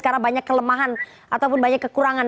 karena banyak kelemahan ataupun banyak kekurangan